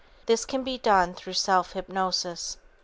This can be done through self hypnosis.